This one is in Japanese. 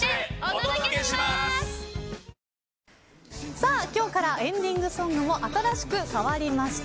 さあ今日からエンディングソングも新しく変わりました。